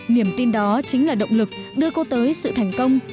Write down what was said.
niềm tin đó chính là động lực đưa cô tới sự thành công